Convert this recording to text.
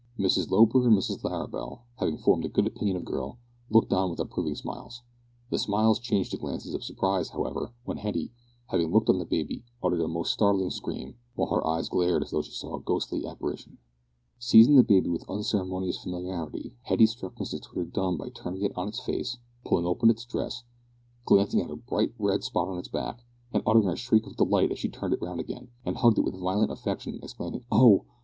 Mrs Loper and Mrs Larrabel, having formed a good opinion of the girl, looked on with approving smiles. The smiles changed to glances of surprise, however, when Hetty, having looked on the baby, uttered a most startling scream, while her eyes glared as though she saw a ghostly apparition. Seizing the baby with unceremonious familiarity, Hetty struck Mrs Twitter dumb by turning it on its face, pulling open its dress, glancing at a bright red spot on its back, and uttering a shriek of delight as she turned it round again, and hugged it with violent affection, exclaiming, "Oh!